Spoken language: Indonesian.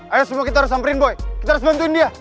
ayo semua kita harus samperin boy kita harus bantuin dia